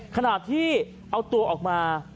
ขณะที่เอาตัวออกมา